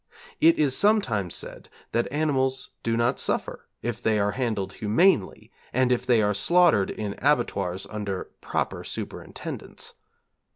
It is sometimes said that animals do not suffer if they are handled humanely, and if they are slaughtered in abattoirs under proper superintendence.